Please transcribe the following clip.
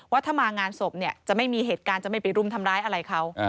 ว่าถ้ามางานศพเนี่ยจะไม่มีเหตุการณ์จะไม่ไปรุมทำร้ายอะไรเขา